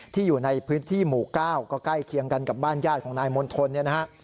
อยู่ในพื้นที่หมู่๙ก็ใกล้เคียงกันกับบ้านญาติของนายมณฑลเนี่ยนะฮะ